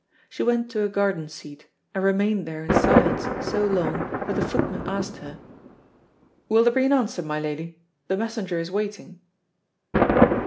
She went to a garden seat, and remained there in silence so long that the footman asked her: "Will there be an answer, my lady? The messenger is waiting."